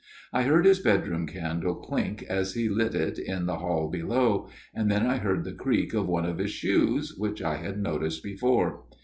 I heard his bedroom candle clink as he lit it in the hall below, and then I heard the creak of one of his shoes, which I had noticed before.